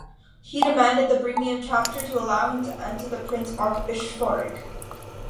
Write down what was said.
He demanded the Bremian Chapter to allow him to enter the Prince-Archbishopric.